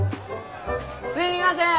すみません！